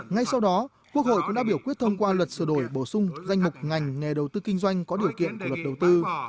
ngay sau đó quốc hội cũng đã biểu quyết thông qua luật sửa đổi bổ sung danh mục ngành nghề đầu tư kinh doanh có điều kiện của luật đầu tư